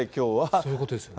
そういうことですよね。